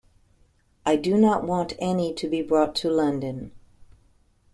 I do not want any to be brought to London.